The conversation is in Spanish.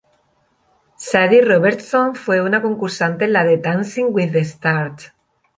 Sadie Robertson fue una concursante en la de "Dancing with the Stars".